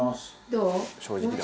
どう？